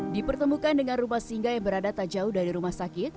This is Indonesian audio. dipertemukan dengan rumah singgah yang berada tak jauh dari rumah sakit